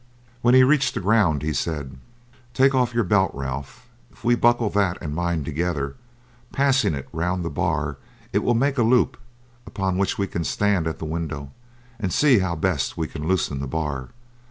When he reached the ground, he said: "Take off your belt, Ralph; if we buckle that and mine together, passing it round the bar, it will make a loop upon which we can stand at the window and see how best we can loosen the bar.